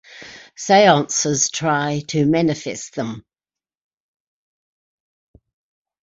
Seances try to manifest them.